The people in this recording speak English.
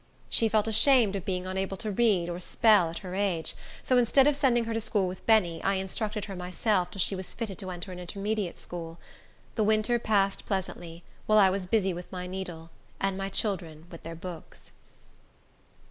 She felt ashamed of being unable to read or spell at her age, so instead of sending her to school with Benny, I instructed her myself till she was fitted to enter an intermediate school. The winter passed pleasantly, while I was busy with my needle, and my children with their books.